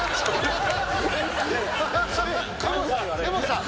江本さん